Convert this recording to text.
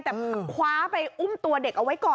แต่คว้าไปอุ้มตัวเด็กเอาไว้ก่อน